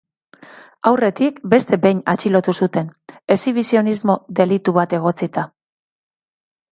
Aurretik, beste behin atxilotu zuten, exhibizionismo delitu bat egotzita.